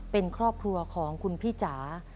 เป็นครอบครัวของคุณพี่จ๋า